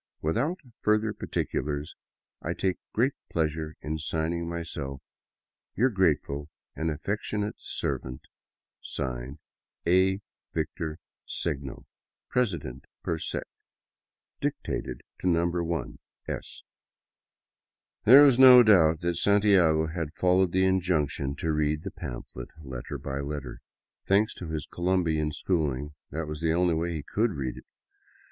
Without further particulars, etc., I take great pleasure in signing myself Your grateful and affectionate servant, (Signed) A. Victor Segno, President per Sec. Dictated to No. 1 S. There was no doubt that Santiago had followed the injunction to read the pamphlet letter by letter. Thanks to his Colombian school ing, that was the only way he could read it.